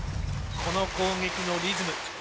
この攻撃のリズム。